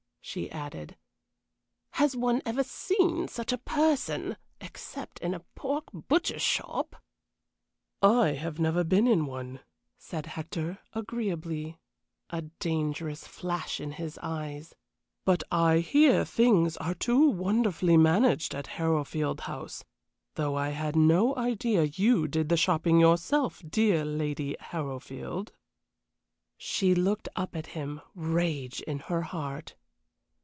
she added. "Has one ever sees such a person, except in a pork butcher's shop!" "I have never been in one," said Hector, agreeably, a dangerous flash in his eyes; "but I hear things are too wonderfully managed at Harrowfield House though I had no idea you did the shopping yourself, dear Lady Harrowfield." She looked up at him, rage in her heart.